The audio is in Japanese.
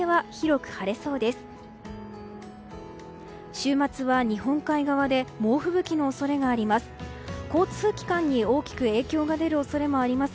週末は日本海側で猛吹雪の恐れがあります。